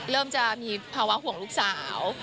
เริ่มจะมีภาวะห่วงลูกสาว